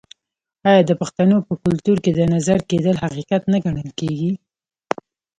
آیا د پښتنو په کلتور کې د نظر کیدل حقیقت نه ګڼل کیږي؟